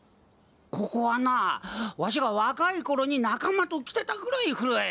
ここはなわしが若いころに仲間と来てたくらい古い。